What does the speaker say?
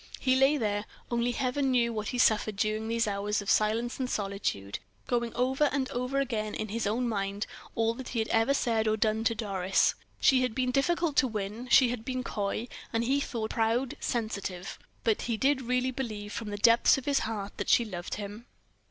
He lay there only Heaven knew what he suffered during these hours of silence and solitude going over and over again in his own mind all that he had ever said or done to Doris. She had been difficult to win; she had been coy, and he thought proud, sensitive; but he did really believe, from the depths of his heart, that she loved him.